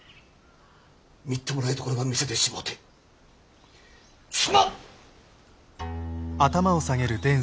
みっともないところば見せてしもうてすまん！